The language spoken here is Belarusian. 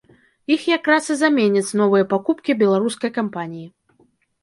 Іх якраз і заменяць новыя пакупкі беларускай кампаніі.